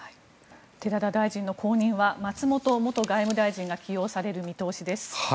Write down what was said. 寺田大臣の後任は松本元外務大臣が起用される見通しです。